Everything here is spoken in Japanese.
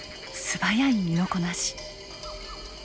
素早い身のこなし。